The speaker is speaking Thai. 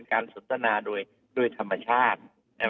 แบบที่แบบเอ่อแบบที่แบบเอ่อ